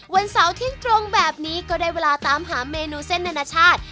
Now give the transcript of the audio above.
วันเสาร์ที่ตรงแบบนี้ก็ได้เวลาตามหาเมนูเส้นนานาชาติ